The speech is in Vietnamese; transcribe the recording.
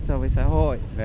so với xã hội